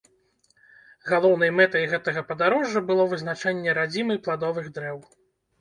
Галоўнай мэтай гэтага падарожжа было вызначэнне радзімы пладовых дрэў.